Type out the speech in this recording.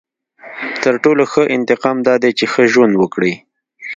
• تر ټولو ښه انتقام دا دی چې ښه ژوند وکړې.